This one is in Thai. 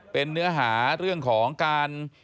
เป็นเนื้อหาเรื่องของการ